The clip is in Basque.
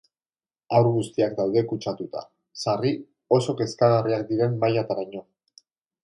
Haur guztiak daude kutsatuta, sarri oso kezkagarriak diren mailataraino.